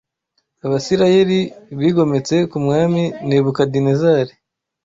Abisirayeli bigometse ku Mwami Nebukadinezari